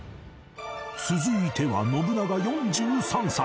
続いては信長４３歳